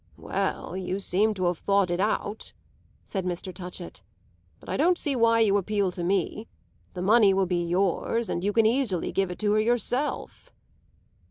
"Well, you seem to have thought it out," said Mr. Touchett. "But I don't see why you appeal to me. The money will be yours, and you can easily give it to her yourself."